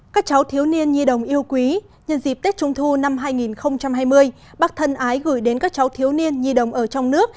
các cháu thiếu niên nhi đồng yêu quý nhân dịp tết trung thu năm hai nghìn hai mươi bác thân ái gửi đến các cháu thiếu niên nhi đồng ở trong nước